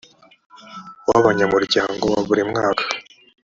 w abanyamuryango wa buri mwaka